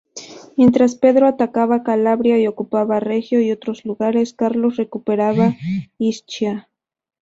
Mientras Pedro atacaba Calabria y ocupaba Regio y otros lugares, Carlos recuperaba Ischia.